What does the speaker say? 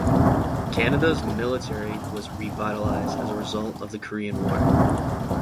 Canada's military was revitalized as a result of the Korean War.